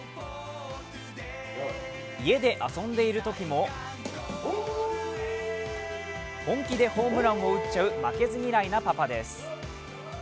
家で遊んでいるときも本気でホームランを打っちゃう負けず嫌いなパパです。